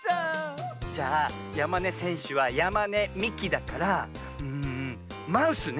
じゃあやまねせんしゅはやまねみきだからんマウスね。